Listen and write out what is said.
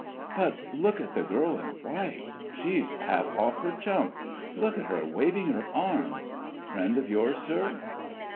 "But look at the girl in white; she's half off her chump—look at her waving her arms.... Friend of yours, sir?"